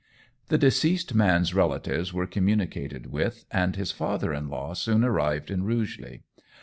The deceased man's relatives were communicated with, and his father in law soon arrived in Rugeley.